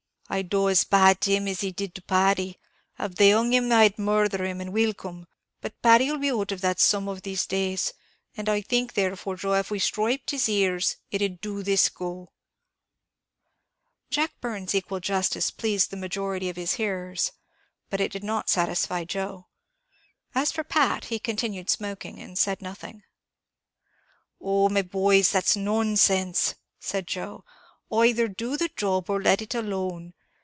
I'd do as bad to him as he did to Paddy: av they hung him, then I'd murther him, and wilcome; but Paddy'll be out of that some of these days and I think therefore, Joe, av we stripped his ears, it'd do this go." Jack Byrne's equal justice pleased the majority of his hearers; but it did not satisfy Joe. As for Pat, he continued smoking, and said nothing. "Oh, my boys, that's nonsense," said Joe; "either do the job, or let it alone.